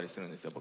僕。